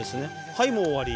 はいもう終わり。